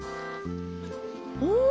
うん！